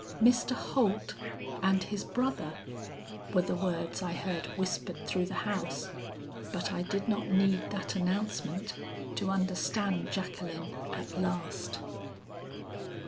"'Mr. Holt and his brother!' were the words I heard whispered through the house. But I did not need that announcement to understand Jacqueline at last."